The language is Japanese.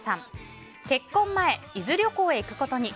結婚前、伊豆旅行へ行くことに。